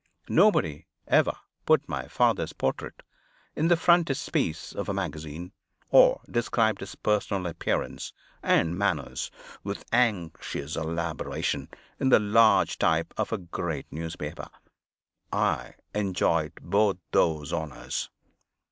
Nobody ever put my father's portrait in the frontispiece of a magazine, or described his personal appearance and manners with anxious elaboration, in the large type of a great newspaper I enjoyed both those honors.